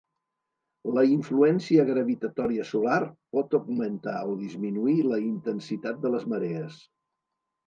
La influència gravitatòria solar pot augmentar o disminuir la intensitat de les marees.